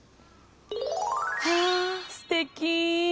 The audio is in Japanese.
はあすてき。